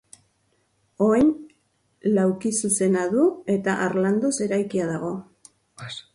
Oin laukizuzena du eta harlanduz eraikia dago.